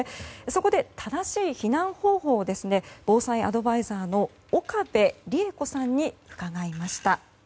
そこで正しい避難方法を防災アドバイザーの岡部梨恵子さんに伺いました。